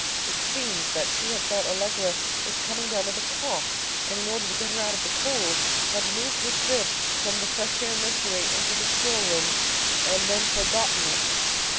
It seems that she had thought Allegra was coming down with a cough, and in order to get her out of the cold, had moved her crib from the fresh air nursery into the store room and then forgotten it.